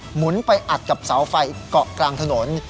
หมุนไปอัดกับเสาไฟเกาะกลางถนน